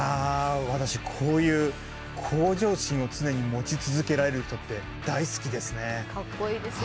私、こういう向上心を常に持ち続けられる人って大好きですね。